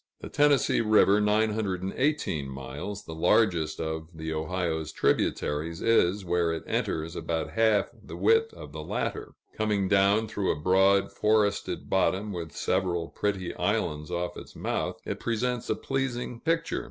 The Tennessee River (918 miles), the largest of the Ohio's tributaries, is, where it enters, about half the width of the latter. Coming down through a broad, forested bottom, with several pretty islands off its mouth, it presents a pleasing picture.